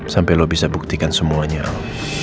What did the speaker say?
sampai lo bisa buktikan semuanya al